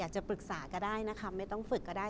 ช่วยกันด้วย